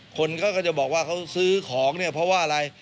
คนก็จะบอกว่าเขาซื้อของเนี่ยเพราะว่าอะไร